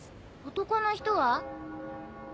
男の人は？